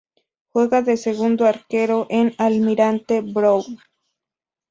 Juega de segundo Arquero en Almirante Brown.